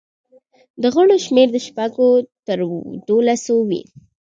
د غړو شمېر له شپږو تر دولسو وي.